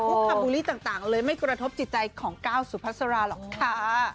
พวกคำบูรีต่างเลยไม่กระทบจิตใจของเก้าสุภาษาราหรอกค่ะ